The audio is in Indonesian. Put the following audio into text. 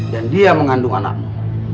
dan dia mengandung anakmu